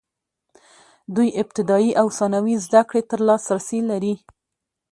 دوی ابتدايي او ثانوي زده کړې ته لاسرسی لري.